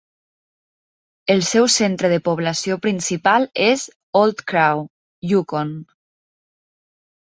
El seu centre de població principal és Old Crow, Yukon.